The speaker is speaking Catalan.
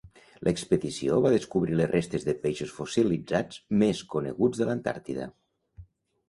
L'expedició va descobrir les restes de peixos fossilitzats més coneguts de l’Antàrtida.